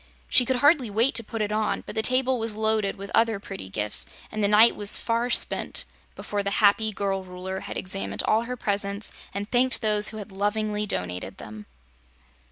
She could hardly wait to put it on, but the table was loaded with other pretty gifts and the night was far spent before the happy girl Ruler had examined all her presents and thanked those who had lovingly donated them.